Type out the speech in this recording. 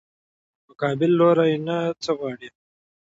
مقابل لوري نه څه غواړې؟